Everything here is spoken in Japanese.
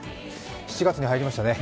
７月に入りましたね。